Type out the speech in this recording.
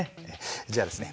じゃあですね